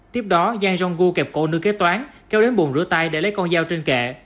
tiếp đó giang rong gu kẹp cổ nơi kế toán kéo đến buồn rửa tay để lấy con dao trên kệ